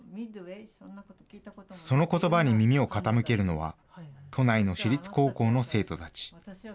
そのことばに耳を傾けるのは、都内の私立高校の生徒たち。